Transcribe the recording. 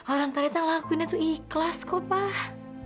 orang talita ngelakuinnya tuh ikhlas kok pak